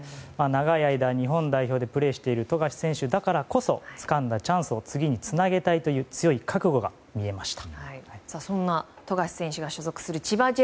長い間、日本代表でプレーしている富樫選手だからこそつかんだチャンスを次につなげたいという強い覚悟が見えました。